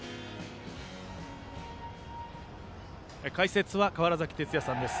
解説は川原崎哲也さんです。